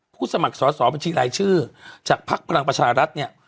ผู้สมัครสอสอบซีลัยชื่อจากพรรณประชารัสเนี่ย